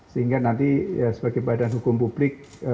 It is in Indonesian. sehingga nanti sebagai badan hukum publik